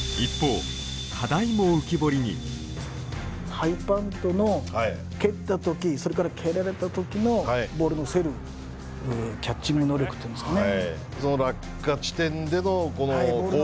ハイパントの蹴ったときそれから蹴られたときのボールの競るキャッチング能力というんですかね。